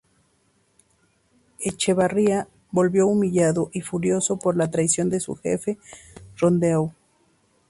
Echevarría volvió humillado y furioso por la traición de su jefe Rondeau.